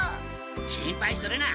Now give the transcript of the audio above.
心配するな。